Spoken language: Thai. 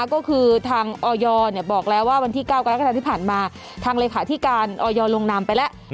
ก็คือทางออยบอกแล้วว่าวันที่๙กรกฎาที่ผ่านมาทางเลขาธิการออยลงนามไปแล้ว